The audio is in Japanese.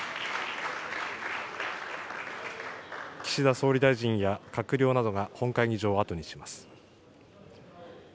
岸田総理大臣や、閣僚などが本会議場を後にします。